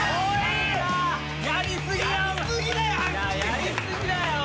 やり過ぎだよ！